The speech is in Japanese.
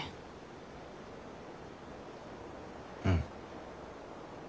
うん。